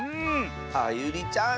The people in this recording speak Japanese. あゆりちゃん